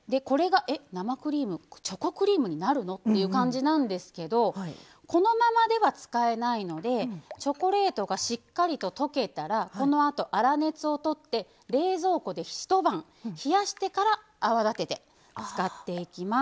これがチョコレートクリームになるのっていう感じなんですけどこのままでは使えないのでチョコレートがしっかり溶けたらこのあと粗熱をとって冷蔵庫で一晩冷やしてから泡立てて使っていきます。